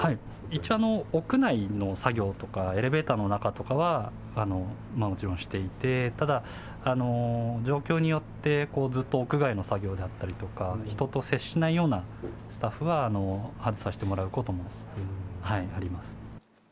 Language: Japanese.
一応、屋内の作業とか、エレベーターの中とかは、もちろんしていて、ただ、状況によって、ずっと屋外の作業であったりとか、人と接しないようなスタッフは外させてもらうこともあります。